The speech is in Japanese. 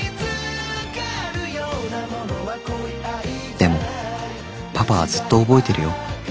でもパパはずっと覚えてるよ。